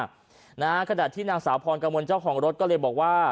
ขณะที่นางสาวพรกมลเจ้าของรถก็เลยบอกว่า